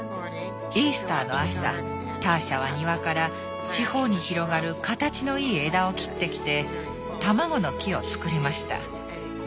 イースターの朝ターシャは庭から四方に広がる形のいい枝を切ってきて卵の木を作りました。